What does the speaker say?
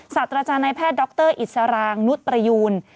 สัตว์อาจารย์นายแพทย์ด็อกเตอร์อิสรางนุษย์ประยูน